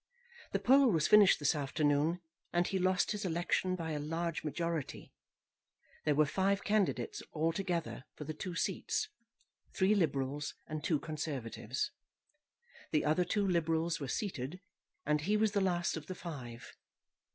The poll was finished this afternoon, and he lost his election by a large majority. There were five candidates altogether for the two seats three Liberals, and two Conservatives. The other two Liberals were seated, and he was the last of the five.